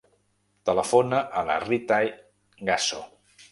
Telefona a la Ritaj Gasso.